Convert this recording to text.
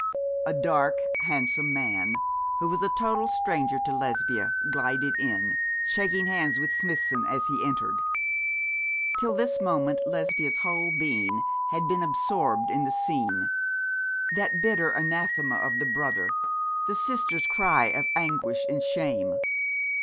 A dark, handsome man, who was a total stranger to Lesbia, glided in, shaking hands with Smithson as he entered. Till this moment Lesbia's whole being had been absorbed in the scene that bitter anathema of the brother, the sister's cry of anguish and shame.